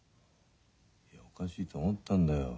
いやおかしいと思ったんだよ。